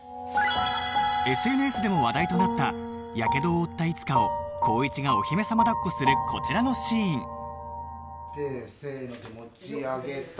ＳＮＳ でも話題となったやけどを負ったいつかを紘一がお姫様抱っこするこちらのシーンせーので持ち上げた。